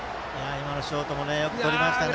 今のショートよくとりましたね。